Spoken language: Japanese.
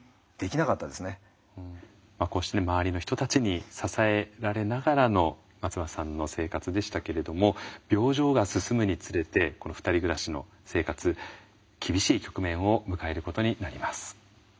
こうして周りの人たちに支えられながらの松村さんの生活でしたけれども病状が進むにつれてこの二人暮らしの生活厳しい局面を迎えることになります。